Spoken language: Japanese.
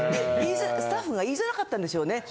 スタッフが言いづらかったんですよね。